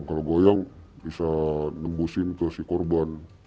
kalau goyang bisa nembusin ke si korban